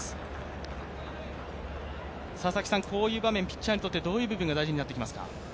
こういう場面ピッチャーにとってどういう部分が大事になってきますか？